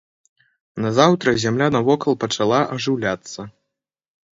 Назаўтра зямля навокал пачала ажыўляцца.